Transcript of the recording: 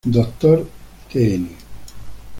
Dr. Dn.